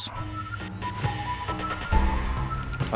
terima kasih pak